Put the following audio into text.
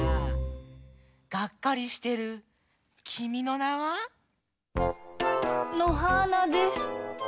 がっかりしてる「君の名は。」？のはーなです。